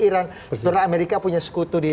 iran sebenarnya amerika punya sekutu di